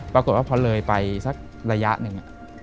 ปรากฏว่าพอเลยไปสักระยะหนึ่ง